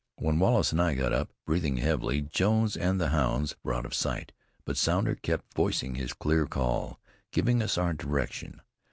When Wallace and I got up, breathing heavily, Jones and the hounds were out of sight. But Sounder kept voicing his clear call, giving us our direction.